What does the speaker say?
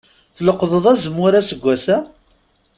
Tleqḍeḍ azemmur aseggas-a?